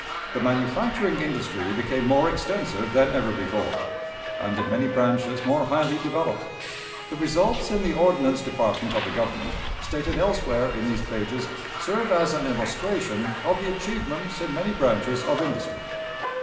The manufacturing industry became more extensive than ever before, and in many branches more highly developed. The results in the ordnance department of the Government, stated elsewhere in these pages, serve as an illustration of the achievements in many branches of industry.